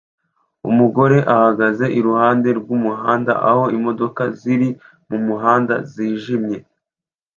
Umugore ahagaze iruhande rw'umuhanda aho imodoka ziri mumuhanda zijimye